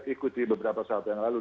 ikuti beberapa saat yang lalu